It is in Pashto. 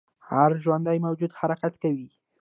هر ژوندی موجود حرکت کوي